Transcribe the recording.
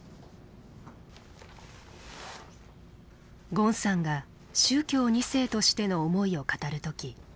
ゴンさんが宗教２世としての思いを語る時